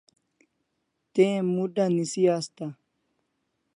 Te mut'a nisi asta